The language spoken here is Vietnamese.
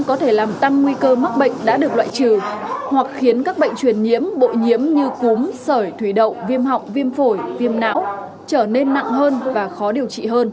có thể làm tăng nguy cơ mắc bệnh đã được loại trừ hoặc khiến các bệnh truyền nhiễm bội nhiễm như cúm sởi thủy đậu viêm họng viêm phổi viêm não trở nên nặng hơn và khó điều trị hơn